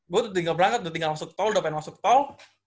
gue udah tinggal berangkat udah tinggal masuk tol udah pengen masuk tol